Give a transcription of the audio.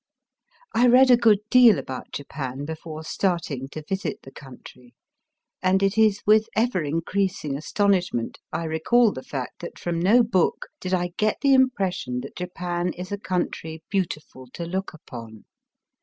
I read a good deal about Japan before starting to visit the country, and it is with ever increasing astonishment I recall the fact that from no book did I get the impression that Japan is a country beautiful to look upon.